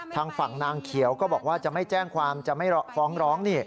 ทางฝั่งนางเขียวก็บอกว่าจะไม่แจ้งความจะไม่ฟ้องร้องนี่